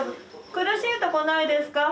苦しいとこないですか？